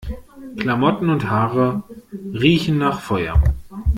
Klamotten und Haare riechen nach Feuer.